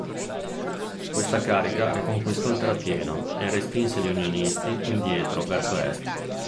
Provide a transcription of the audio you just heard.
Questa carica riconquistò il terrapieno e respinse gli unionisti indietro, verso est.